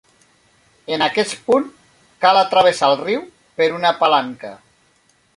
En aquest punt, cal travessar el riu per una palanca.